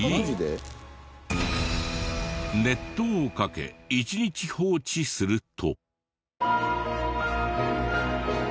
熱湯をかけ１日放置すると。